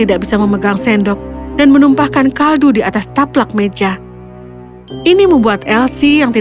aku akan mulai mandi